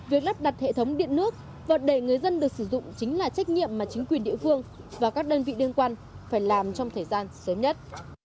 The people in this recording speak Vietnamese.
việc lắp đặt hệ thống điện nước và để người dân được sử dụng chính là trách nhiệm mà chính quyền địa phương và các đơn vị liên quan phải làm trong thời gian sớm nhất